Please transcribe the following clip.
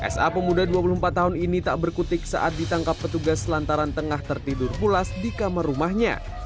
sa pemuda dua puluh empat tahun ini tak berkutik saat ditangkap petugas lantaran tengah tertidur pulas di kamar rumahnya